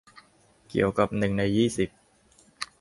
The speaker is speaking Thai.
เกี่ยวกับหนึ่งในยี่สิบ